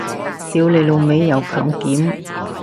屌老味又強檢